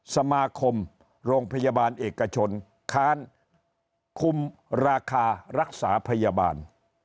สมาคมโรงพยาบาลเอกชนค้านคุมราคารักษาพยาบาล